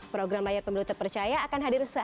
program layar pemilu terpercaya akan hadir